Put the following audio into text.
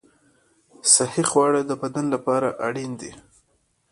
صحي خواړه د بدن لپاره اړین دي.